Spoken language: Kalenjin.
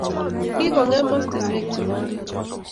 Koking'em mastinwek chebo Oret